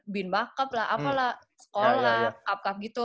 binbakaplah apalah sekolah cup cup gitu